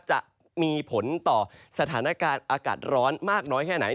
จะมีผลต่อสถานการณ์อากาศร้อนมากน้อยแค่ไหน